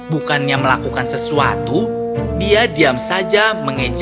bukannya melakukan sesuatu dia diam saja mengejar